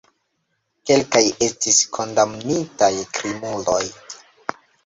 Kelkaj estis kondamnitaj krimuloj.